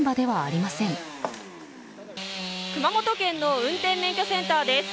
熊本県の運転免許センターです。